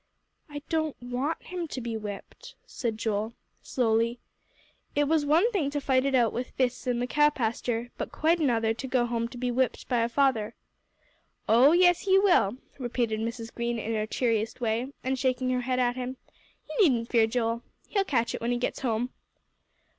"I don't want him to be whipped," said Joel, slowly. It was one thing to fight it out with fists in the cow pasture, but quite another to go home to be whipped by a father. "Oh, yes, he will," repeated Mrs. Green, in her cheeriest way, and shaking her head at him. "You needn't fear, Joel, he'll catch it when he gets home."